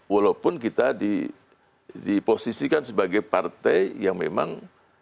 walaupun kita diposisikan sebagai partai yang memang